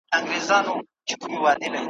چي ډېر کسان یې `